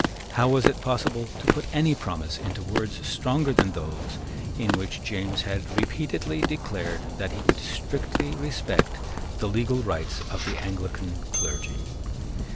How was it possible to put any promise into words stronger than those in which James had repeatedly declared that he would strictly respect the legal rights of the Anglican clergy?